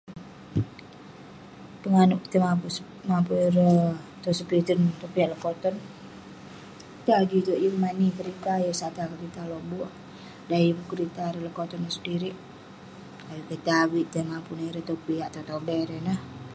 Penganouk mapun ireh tong sepitan, tai mapun piak lekoton, inouk adui yang mani kerita..yeng sata kerita lobukk..dan yeng kerita ireh lekoton ineh sedirik, ayuk kik tai avik ,tai mapun ireh tong piak, tong tobai ireh ineh..